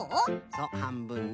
そうはんぶんに。